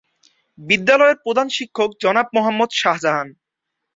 বিদ্যালয়ের প্রধান শিক্ষক জনাব মোহাম্মদ শাহজাহান।